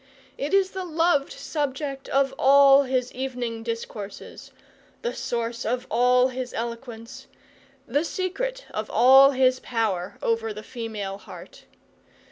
It is the loved subject of all his evening discourses, the source of all his eloquence, the secret of his power over the female heart.